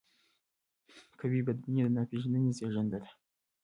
قومي بدبیني د ناپېژندنې زیږنده ده.